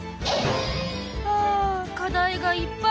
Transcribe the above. はあ課題がいっぱい。